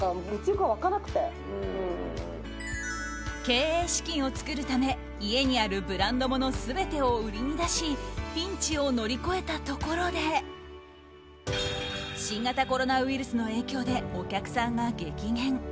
経営資金を作るため家にあるブランド物全てを売りに出しピンチを乗り越えたところで新型コロナウイルスの影響でお客さんが激減。